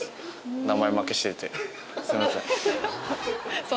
名前負けしててすいません。